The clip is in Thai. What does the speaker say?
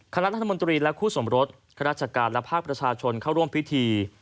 คณะรัฐมนตรีและคู่สมรสข้าราชการและภาคประชาชนเข้าร่วมพิธี